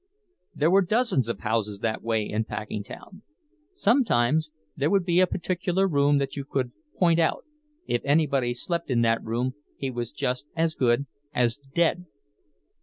There were dozens of houses that way in Packingtown. Sometimes there would be a particular room that you could point out—if anybody slept in that room he was just as good as dead.